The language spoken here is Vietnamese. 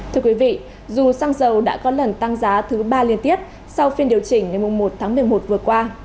thưa quý vị dù xăng dầu đã có lần tăng giá thứ ba liên tiếp sau phiên điều chỉnh ngày một tháng một mươi một vừa qua